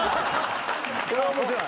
これ面白い。